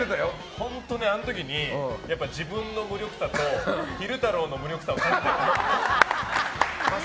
本当にあの時に、自分の無力さと昼太郎の無力さを感じた。